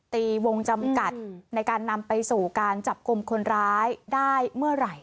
ตีวงจำกัดในการนำไปสู่การจับกลุ่มคนร้ายได้เมื่อไหร่